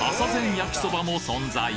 焼そばも存在！